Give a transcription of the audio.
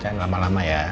jangan lama lama ya